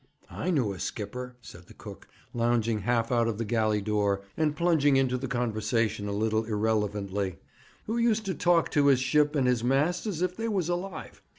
'I knew a skipper,' said the cook, lounging half out of the galley door, and plunging into the conversation a little irrelevantly, 'who used to talk to his ship and his masts as if they was alive.